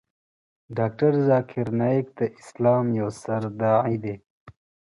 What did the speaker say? ډاکتر ذاکر نایک د اسلام یو ستر داعی دی .